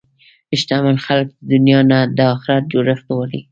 شتمن خلک د دنیا نه د اخرت جوړښت غواړي.